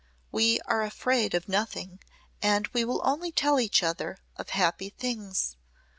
We are afraid of nothing and we only tell each other of happy things.